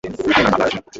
আপনার বাবার নাম কী?